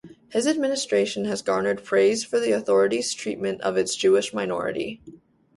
His administration has garnered praise for the authorities' treatment of its Jewish minority.